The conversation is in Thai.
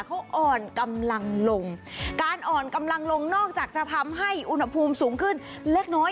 เขาอ่อนกำลังลงการอ่อนกำลังลงนอกจากจะทำให้อุณหภูมิสูงขึ้นเล็กน้อย